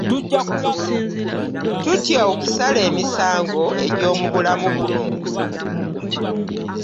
Tutya okusala emisango egy'omu bulamu buno?